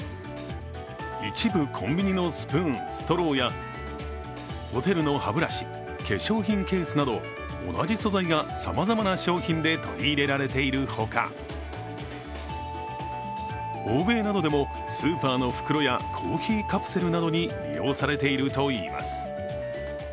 一部コンビニのスプーン、ストローやホテルの歯ブラシ化粧品ケースなど同じ素材がさまざまな商品で取り入れられているほか、欧米などでもスーパーの袋やコーヒーカプセルなどに利用されているといいます。